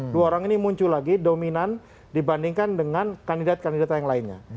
dua orang ini muncul lagi dominan dibandingkan dengan kandidat kandidat yang lainnya